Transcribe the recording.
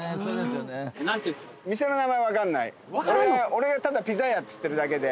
俺がただピザ屋っつってるだけで。